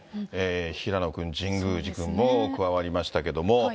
平野君、神宮寺君も加わりましたけど。